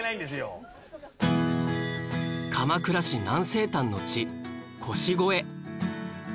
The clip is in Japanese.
鎌倉市南西端の地腰越